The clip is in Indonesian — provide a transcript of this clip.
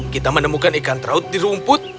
kita menemukan ikan raut di rumput